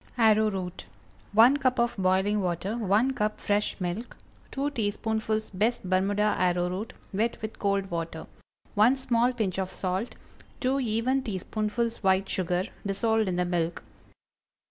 ARROWROOT. ✠ 1 cup of boiling water. 1 cup fresh milk. 2 teaspoonfuls best Bermuda arrowroot, wet with cold water. 1 small pinch of salt. 2 even teaspoonfuls white sugar, dissolved in the milk.